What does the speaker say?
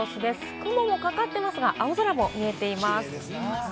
雲がかかっていますが青空も見えています。